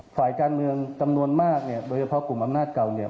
ฝ่ายการเมืองจำนวนมากเนี่ยโดยเฉพาะกลุ่มอำนาจเก่าเนี่ย